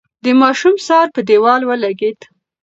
د ماشوم سر په دېوال ولگېد.